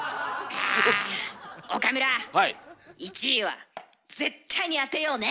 １位は絶対に当てようね！